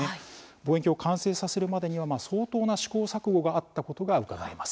望遠鏡を完成させるまでには相当な試行錯誤があったことがうかがえます。